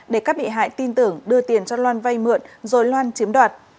để các bị hại tin tưởng đưa tiền cho loan vay mượn rồi loan chiếm đoạt